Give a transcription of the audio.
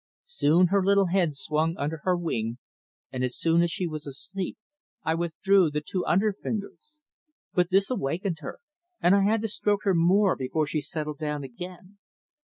Soon her little head swung under her wing, and as soon as she was asleep I withdrew the two under fingers. But this awakened her, and I had to stroke her more before she settled down again.